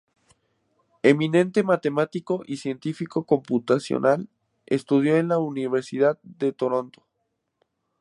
Eminente matemático y científico computacional, estudió en la Universidad de Toronto.